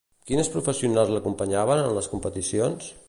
Quines professionals l'acompanyaven en les competicions?